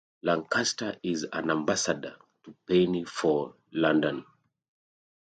Lancaster is an ambassador to Penny for London.